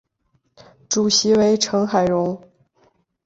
主席为成海荣。